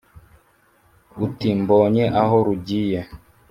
uti:" mbonye aho rugiye.